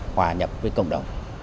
hòa nhập với cộng đồng